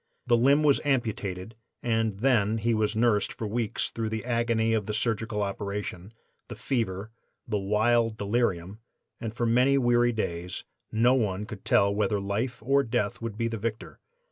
The limb was amputated and then he was nursed for weeks through the agony of the surgical operation, the fever, the wild delirium; and for many weary days no one could tell whether life or death would be the victor.